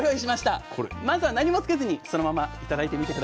まずは何もつけずにそのまま頂いてみて下さい。